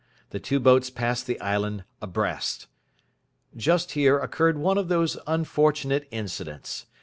The two boats passed the island abreast. Just here occurred one of those unfortunate incidents.